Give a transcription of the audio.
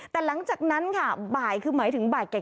แต่หลังจากนั้นค่ะบ่ายคือหมายถึงบ่ายแก่